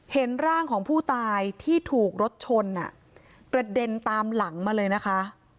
เห็นร่างของผู้ตายที่ถูกรถชนกระเด็นตามหลังมาเลยนะคะ